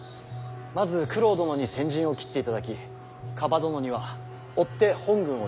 まず九郎殿に先陣を切っていただき蒲殿には追って本軍を率いご上洛いただきます。